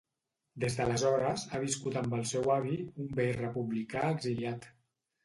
Des d’aleshores, ha viscut amb el seu avi, un vell republicà exiliat.